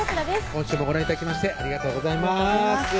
今週もご覧頂きましてありがとうございます